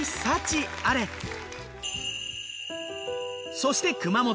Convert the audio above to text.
そして熊本。